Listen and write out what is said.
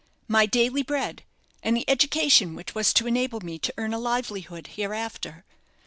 My daily bread, and the education which was to enable me to earn a livelihood hereafter.